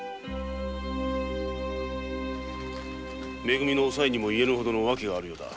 め組のおさいにも言えぬほどの訳があるようだ。